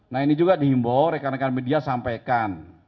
nah ini juga dihimbau rekan rekan media sampaikan